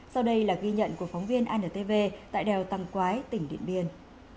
sau đây là ghi nhận của phóng viên antv tại đèo tăng quái tỉnh điện biên